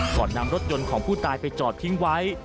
ก่อนนำรถยนต์ของผู้ตายไปจอดทิ้งไว้